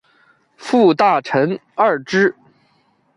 副大臣贰之。